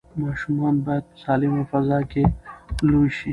ماشومان باید په سالمه فضا کې لوی شي.